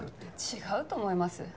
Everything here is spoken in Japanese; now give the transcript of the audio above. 違うと思います。